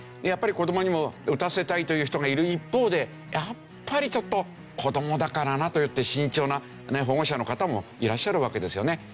やっぱり子どもにも打たせたいという人がいる一方でやっぱりちょっと子どもだからなといって慎重な保護者の方もいらっしゃるわけですよね。